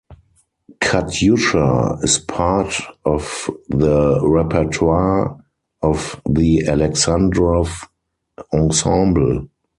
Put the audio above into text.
"Katyusha" is part of the repertoire of the Alexandrov Ensemble.